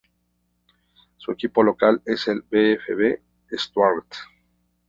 Su equipo local es el VfB Stuttgart.